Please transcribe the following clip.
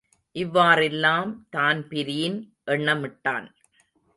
இவ்வாறெல்லாம் தான்பிரீன் எண்ணமிட்டான்.